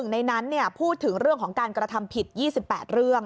ในนั้นพูดถึงเรื่องของการกระทำผิด๒๘เรื่อง